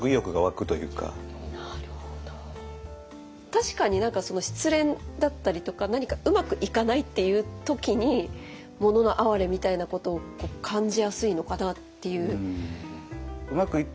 確かに失恋だったりとか何かうまくいかないっていう時に「もののあはれ」みたいなことを感じやすいのかなっていう。